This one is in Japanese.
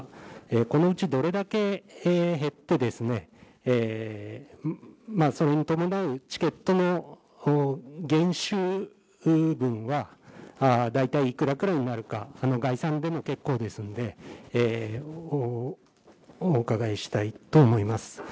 このうちどれだけ減って、それに伴うチケットの減収分は大体いくらくらいになるか、概算でも結構ですので、お伺いしたいと思います。